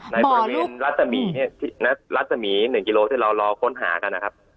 ในบริเวณรัฐมีน๑กิโลเมตรที่เรารอค้นหากันอะครับ